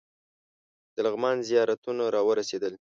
د لغمان زیارتونه راورسېدل.